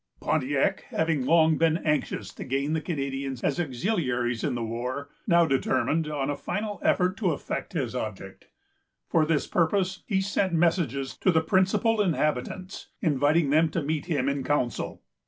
Pontiac, having long been anxious to gain the Canadians as auxiliaries in the war, now determined on a final effort to effect his object. For this purpose, he sent messages to the principal inhabitants, inviting them to meet him in council.